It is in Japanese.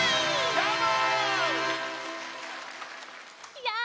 どーも！